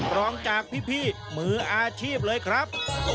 รองจากพี่มืออาชีพเลยครับ